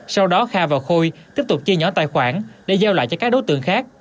sau đó kha và khôi tiếp tục chia nhỏ tài khoản để giao lại cho các đối tượng khác